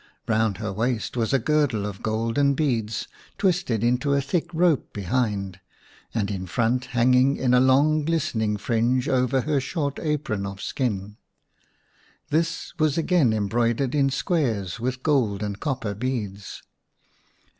Eound her waist was a girdle of golden beads, twisted into a thick rope behind, and in front hanging in a long, glistening fringe over her short apron of skin. This was again embroidered in squares with gold and copper beads.